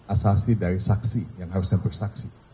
asasi dari saksi yang harusnya bersaksi